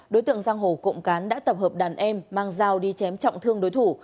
đối tượng giang hồ cộng cán đã tập hợp đàn em mang dao đi chém trọng thương đối thủ